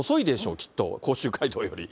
きっと、甲州街道より。